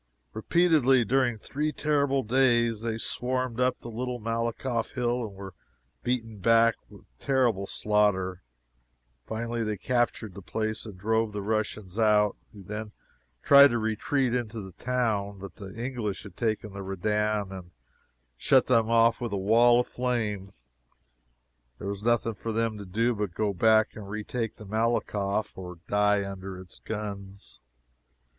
Repeatedly, during three terrible days, they swarmed up the little Malakoff hill, and were beaten back with terrible slaughter. Finally, they captured the place, and drove the Russians out, who then tried to retreat into the town, but the English had taken the Redan, and shut them off with a wall of flame; there was nothing for them to do but go back and retake the Malakoff or die under its guns.